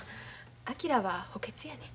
昭は補欠やねん。